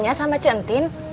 nanya sama cemptin